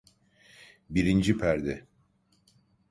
Birinci perde.